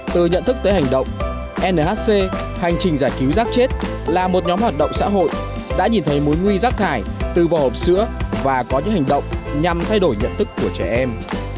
từ nhận thức tới hành động nhc hành trình giải cứu rác chết là một nhóm hoạt động xã hội đã nhìn thấy mối nguy rác thải từ vỏ hộp sữa và có những hành động nhằm thay đổi nhận thức của trẻ em